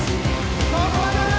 そこまで！